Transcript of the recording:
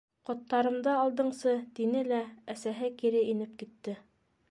- Ҡоттарымды алдыңсы, - тине лә әсәһе кире инеп китте.